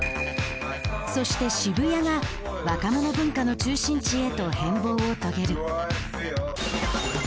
そして渋谷が若者文化の中心地へと変貌を遂げる。